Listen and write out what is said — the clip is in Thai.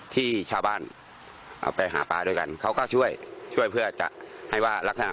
ที่ชาวบ้านเอาไปหาปลาด้วยกันเขาก็ช่วยช่วยเพื่อจะให้ว่ารักษณะ